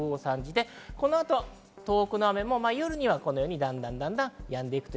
東北の雨も夜にはだんだんやんでいきます。